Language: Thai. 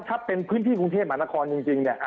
ถ้าเป็นพื้นที่กรุงเทพมันละครจริง